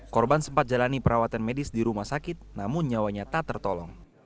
korban sempat jalani perawatan medis di rumah sakit namun nyawanya tak tertolong